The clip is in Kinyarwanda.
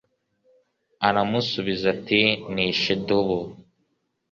aramusubiza ati nishe idubu